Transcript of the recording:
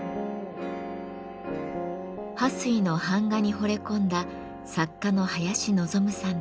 巴水の版画にほれ込んだ作家の林望さんです。